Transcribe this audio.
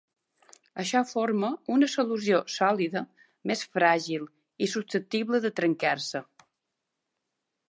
Això forma una solució sòlida més fràgil i susceptible de trencar-se.